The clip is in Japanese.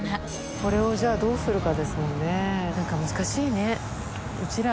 これをじゃあどうするかですもんね。